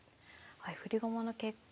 振り駒の結果